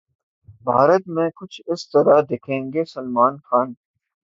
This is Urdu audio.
بھارت 'میں کچھ اس طرح دکھیں گے سلمان خان'